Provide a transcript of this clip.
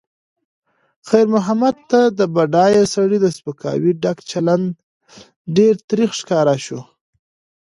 خیر محمد ته د بډایه سړي د سپکاوي ډک چلند ډېر تریخ ښکاره شو.